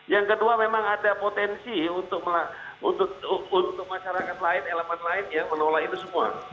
yang kedua memang ada potensi untuk masyarakat lain elemen lain ya menolak itu semua